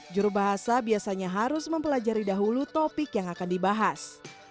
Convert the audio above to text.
jurubahasa biasanya harus mempelajari dahulu topik yang akan dibahas